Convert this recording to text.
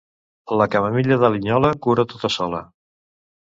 La camamilla de Linyola cura tota sola.